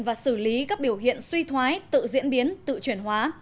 và xử lý các biểu hiện suy thoái tự diễn biến tự chuyển hóa